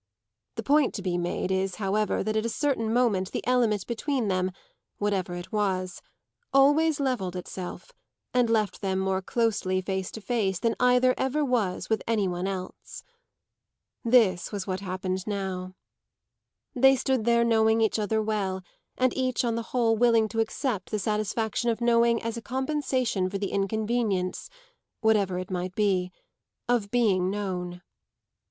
The point to be made is, however, that at a certain moment the element between them, whatever it was, always levelled itself and left them more closely face to face than either ever was with any one else. This was what had happened now. They stood there knowing each other well and each on the whole willing to accept the satisfaction of knowing as a compensation for the inconvenience whatever it might be of being known.